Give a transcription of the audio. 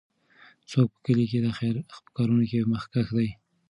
څوک په کلي کې د خیر په کارونو کې مخکښ دی؟